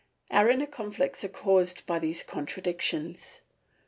Our inner conflicts are caused by these contradictions.